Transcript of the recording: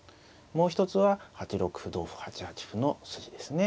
もう一つは８六歩同歩８八歩の筋ですね。